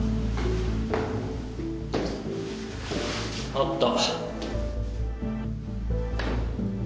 あった。